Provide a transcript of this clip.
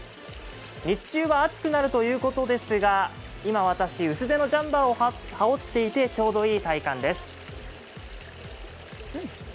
日中は暑くなるということですが今私、薄手のジャンパーを羽織っていてちょうどいい体感です。